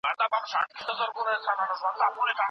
که پس انداز زیات سي اقتصاد به پیاوړی سي.